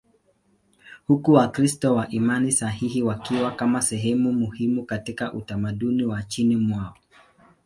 huku Wakristo wa imani sahihi wakiwa kama sehemu muhimu katika utamaduni wa nchini mwao.